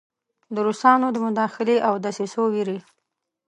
د روسانو د مداخلې او دسیسو ویرې.